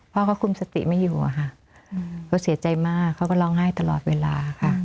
พ่อเขาคุมสติไม่อยู่อะค่ะเขาเสียใจมากเขาก็ร้องไห้ตลอดเวลาค่ะ